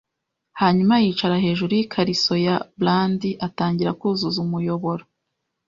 Hanyuma, yicara hejuru yikariso ya brandi atangira kuzuza umuyoboro.